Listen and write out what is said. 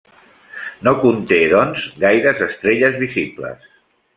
No conté, doncs, gaires estrelles visibles.